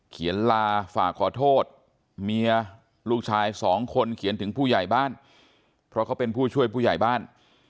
ลาฝากขอโทษเมียลูกชายสองคนเขียนถึงผู้ใหญ่บ้านเพราะเขาเป็นผู้ช่วยผู้ใหญ่บ้าน